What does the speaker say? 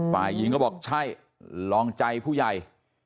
ฝ่ายหญิงก็บอกใช่ลองใจผู้ใหญ่